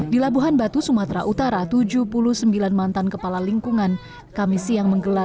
di labuhan batu sumatera utara tujuh puluh sembilan mantan kepala lingkungan kami siang menggelar